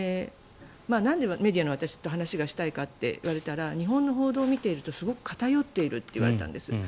なんでメディアの私と話がしたいといったら日本の報道を見ているとすごく偏っていると言われたんです。